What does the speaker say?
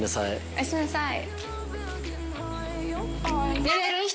おやすみなさい。